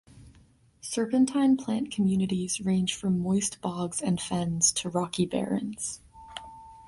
Serpentine plant communities range from moist bogs and fens to rocky barrens.